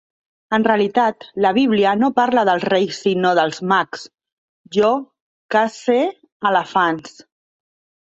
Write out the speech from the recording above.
En realitat, la Bíblia no parla de reis sinó de mags. Jo cace elefants.